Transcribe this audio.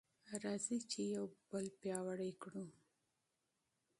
راځئ چې یو بل پیاوړي کړو.